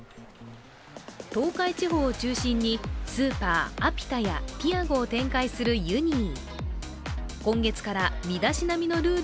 東海地方を中心にスーパーアピタやピアゴを展開するユニー。